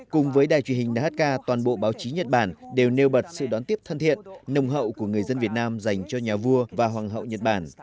cùng với đài truyền hình nhk toàn bộ báo chí nhật bản đều nêu bật sự đón tiếp thân thiện nồng hậu của người dân việt nam dành cho nhà vua và hoàng hậu nhật bản